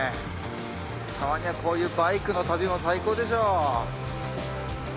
たまにはこういうバイクの旅も最高でしょ。